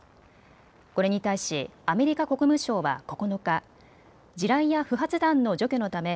これに対しアメリカ国務省は９日、地雷や不発弾の除去のため